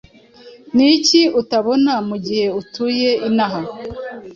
Ni iki uta bona mugihe utuye inaha